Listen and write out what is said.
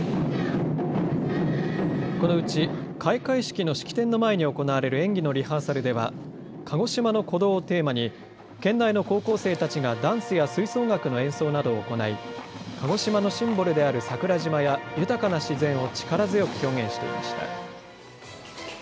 このうち、開会式の式典の前に行われる演技のリハーサルでは鹿児島の鼓動をテーマに、県内の高校生たちがダンスや吹奏楽の演奏などを行い、鹿児島のシンボルである桜島や豊かな自然を力強く表現していました。